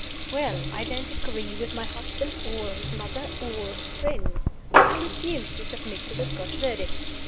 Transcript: "Well! I don't agree with my husband, or his mother, or his friends. I refuse to submit to the Scotch Verdict."